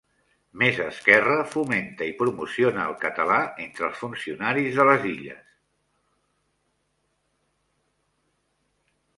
Més esquerra fomenta i promociona el català entre els funcionaris de les Illes